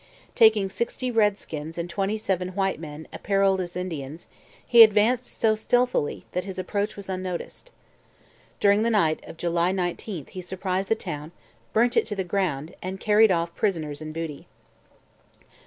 Taking sixty redskins and twenty seven white men apparelled as Indians, he advanced so stealthily that his approach was unnoticed. During the night of July 19 he surprised the town, burnt it to the ground, and carried off prisoners and booty.